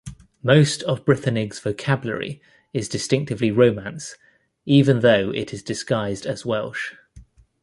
Most of Brithenig's vocabulary is distinctively Romance, even though it is disguised as Welsh.